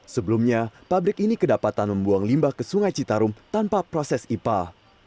sebelumnya pabrik ini kedapatan membuang limbah ke sungai citarum tanpa proses ipal